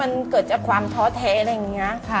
มันเกิดจากความท้อแท้อะไรอย่างนี้ค่ะ